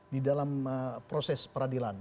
di dalam proses peradilan